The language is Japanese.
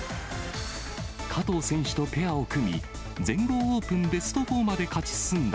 加藤選手とペアを組み、全豪オープンベスト４まで勝ち進んだ